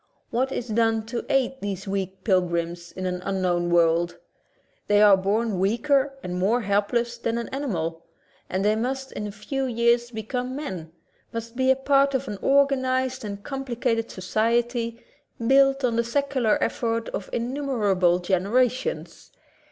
What is done to aid these weak pilgrims in an unknown world? They are born weaker and more helpless than an ani mal, and they must in a few years become men ; must be a part of an organized and com plicated society, built on the secular effort of innumerable generations.